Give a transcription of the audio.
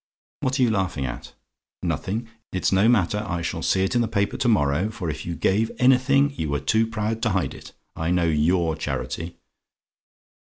What are you laughing at? "NOTHING? "It's no matter: I shall see it in the paper to morrow; for if you gave anything, you were too proud to hide it. I know YOUR charity.